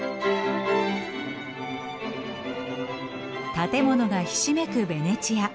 建物がひしめくベネチア。